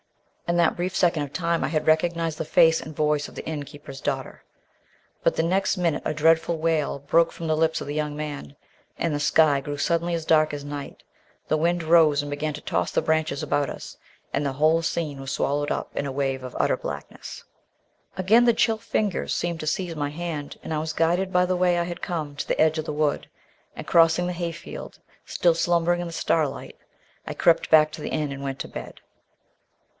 In that brief second of time I had recognised the face and voice of the inn keeper's daughter, but the next minute a dreadful wail broke from the lips of the young man, and the sky grew suddenly as dark as night, the wind rose and began to toss the branches about us, and the whole scene was swallowed up in a wave of utter blackness. Again the chill fingers seemed to seize my hand, and I was guided by the way I had come to the edge of the wood, and crossing the hayfield still slumbering in the starlight, I crept back to the inn and went to bed.